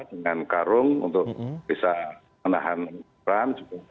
dengan karung untuk bisa menahan peran